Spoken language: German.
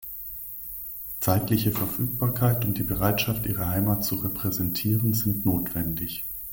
Zeitliche Verfügbarkeit und die Bereitschaft, ihre Heimat zu repräsentieren, sind notwendig.